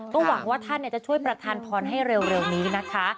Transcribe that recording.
ก็หวังว่าท่านจะช่วยประธานพรให้เร็วนี้นะคะ